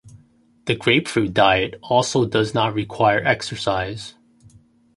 The grapefruit diet also does not require exercise.